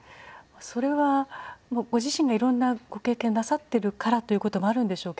それはもうご自身がいろんなご経験なさってるからということもあるんでしょうけど。